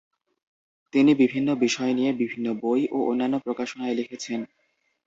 তিনি বিভিন্ন বিষয় নিয়ে বিভিন্ন বই ও অন্যান্য প্রকাশনায় লিখেছেন।